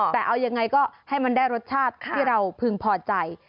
แต่เอายังไงก็ให้มันได้รสชาติที่เราพึงพอใจ